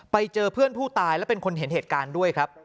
ไปเจอเพื่อนผู้ตายและเป็นคนเห็นเหตุการณ์ด้วยครับ